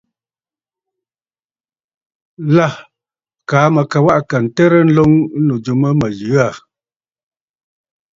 Lâ kaa mə̀ ka waꞌà kà ǹtərə nloŋ ɨnnù jû mə mə̀ yə aà.